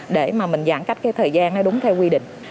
để giãn cách thời gian đúng theo quy định